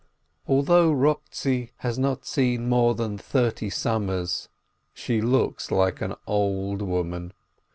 Ill Although Rochtzi has not seen more than thirty summers, she looks like an old woman.